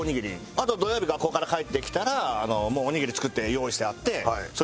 あと土曜日学校から帰ってきたらもうおにぎり作って用意してあってそれを食べる。